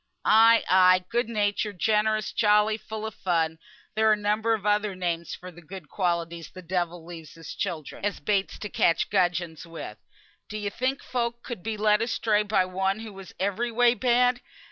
"Ay, ay! good natured, generous, jolly, full of fun; there are a number of other names for the good qualities the devil leaves his childer, as baits to catch gudgeons with. D'ye think folk could be led astray by one who was every way bad?